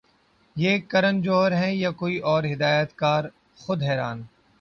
یہ کرن جوہر ہیں یا کوئی اور ہدایت کار خود حیران